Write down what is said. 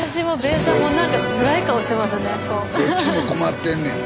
スタジオどっちも困ってんねん。